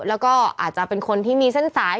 แล้วก็อาจจะเป็นคนที่มีเส้นสาย